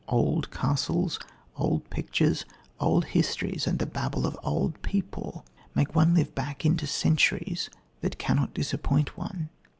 Old castles, old pictures, old histories and the babble of old people make one live back into centuries that cannot disappoint one.